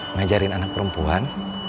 ngajarin anak perempuan